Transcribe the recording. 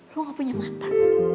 lu gak punya mata